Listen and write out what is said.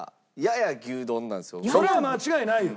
それは間違いないよ。